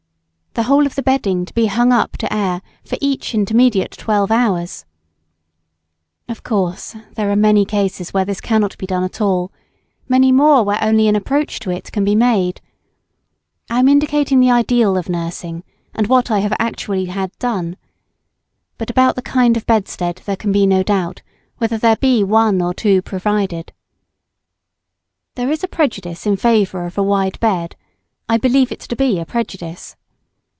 The whole of the bedding to be hung up to air for each intermediate twelve hours. Of course there are many cases where this cannot be done at all many more where only an approach to it can be made. I am indicating the ideal of nursing, and what I have actually had done. But about the kind of bedstead there can be no doubt, whether there be one or two provided. [Sidenote: Bed not to be too wide.] There is a prejudice in favour of a wide bed I believe it to be a prejudice.